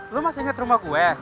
lu masih ingat rumah gue